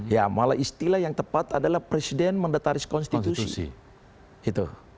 ya malah istilah yang tepat adalah presiden mendetaris konstitusi gitu